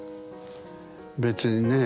別にね